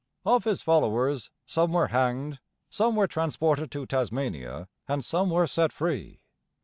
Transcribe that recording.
Of his followers, some were hanged, some were transported to Tasmania, and some were set free.